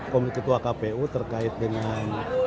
komitmen kpu terkait dengan